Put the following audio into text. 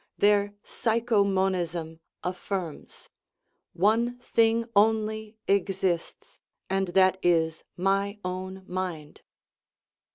Their " psycho monism " affirms :" One thing only exists, and that is my own mind."